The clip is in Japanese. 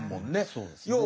そうですね。